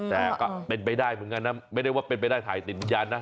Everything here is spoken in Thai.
แต่ก็เป็นไปได้เหมือนกันนะไม่ได้ว่าเป็นไปได้ถ่ายติดวิญญาณนะ